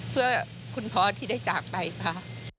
เพื่อคุณพ่อที่ได้จากไปค่ะ